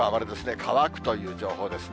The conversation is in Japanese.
乾くという情報ですね。